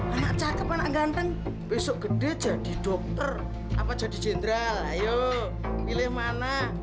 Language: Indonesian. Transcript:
anak cakep anak ganteng besok gede jadi dokter apa jadi jenderal ayo milih mana